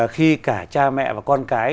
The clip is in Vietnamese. khi cả cha mẹ và con cái